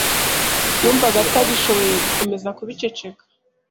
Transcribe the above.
yumvaga atagishoboye gukomeza kubiceceka